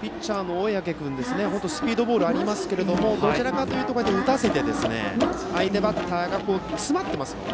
ピッチャーの小宅君スピードボールもありますがどちらかというと打たせて相手バッターが詰まっていますよね